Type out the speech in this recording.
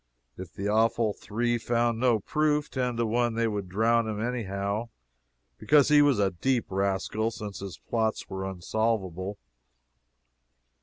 If the awful Three found no proof, ten to one they would drown him anyhow, because he was a deep rascal, since his plots were unsolvable.